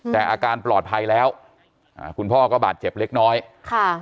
แต่อาการปลอดภัยแล้วอ่าคุณพ่อก็บาดเจ็บเล็กน้อยค่ะ